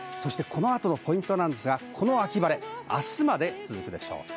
この後のポイントはこの秋晴れ、明日まで続くでしょう。